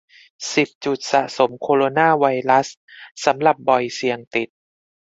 สิบ จุดสะสมโคโรนาไวรัส สัมผัสบ่อยเสี่ยงติด